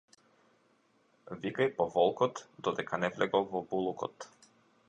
Викај по волкот, додека не влегол во булукот.